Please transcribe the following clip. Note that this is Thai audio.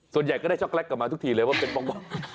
ส่วนใหญ่ก็ได้ช็อกแลตกลับมาทุกทีเลยว่าเป็นป้อง